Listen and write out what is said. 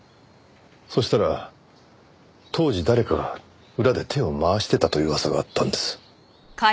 そしたら当時誰かが裏で手を回してたという噂があったんです。